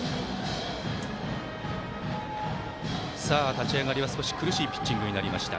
立ち上がりは、少し苦しいピッチングになりました。